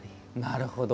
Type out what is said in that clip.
なるほど。